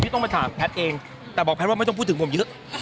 ต้องไปถามแพทย์เองแต่บอกแพทย์ว่าไม่ต้องพูดถึงผมเยอะ